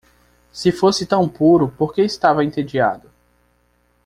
Se fosse tão puro, por que estava entediado?